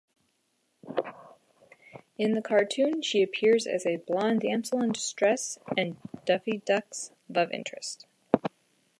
In the cartoon, she appears as a blonde damsel-in-distress and Daffy Duck's love interest.